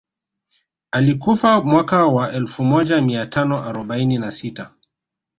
Alikufa mwaka wa elfu moja mia tano arobaini na sita